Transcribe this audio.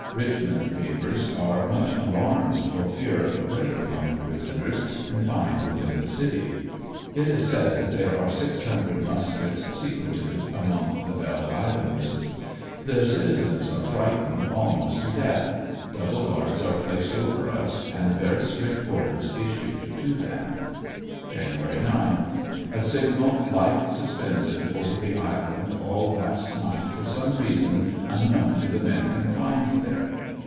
Richmond papers are much alarmed for fear of a break among the prisoners confined within the city. It is said there are six hundred muskets secreted among the Belle Islanders. The citizens are frightened ANDER80NVILLE DIARY. 25 almost to death, double guards are placed over us, and very strict orders issued to thent. Jan. 9. — A signal light suspended over the island all last night for some reason unknown to the men confined here.